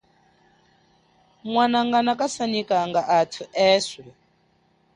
Mwanangana kasanyikanga athu eswe.